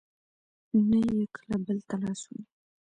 نه یې کله بل ته لاس ونېوه.